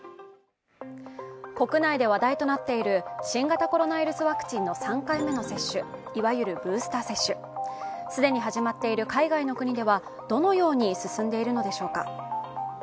国内で話題となっている新型コロナウイルスワクチンの３回目の接種、いわゆるブースター接種既に始まっている海外の国ではどのように進んでいるのでしょうか。